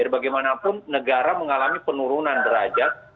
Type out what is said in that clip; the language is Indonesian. bagaimanapun negara mengalami penurunan derajat